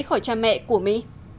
khỏi cha mẹ của mỹ